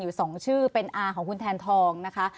อยู่๒ชื่อเป็นอาของคุณแทนทองนะคะ